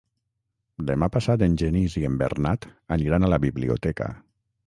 Demà passat en Genís i en Bernat aniran a la biblioteca.